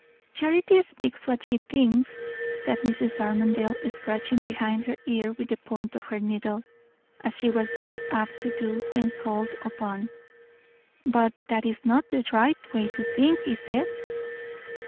"Charity speaks what she thinks," said Mrs. Armadale, scratching behind her ear with the point of her needle, as she was very apt to do when called upon. "But that is not the right way to think, is it?"